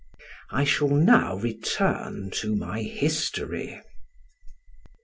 I shall now return to my history.